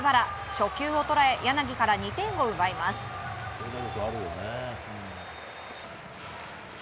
初球を捉え柳から２点を奪います。